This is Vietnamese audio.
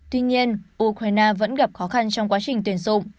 tuy nhiên ukraine vẫn gặp khó khăn trong quá trình tuyển dụng